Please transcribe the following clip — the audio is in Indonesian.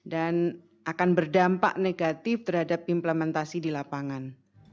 dan ini akan berdampak negatif terhadap implementasi di lapangan